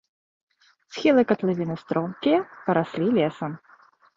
Схілы катлавіны стромкія, параслі лесам.